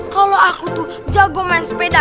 kalau aku tuh jago main sepeda